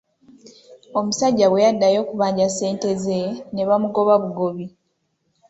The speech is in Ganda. Omusajja bwe yaddayo okubanja ssente ze ne bamugoba bugobi.